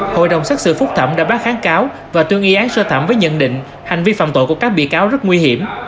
hội đồng xét xử phúc thẩm đã bác kháng cáo và tuyên y án sơ thẩm với nhận định hành vi phạm tội của các bị cáo rất nguy hiểm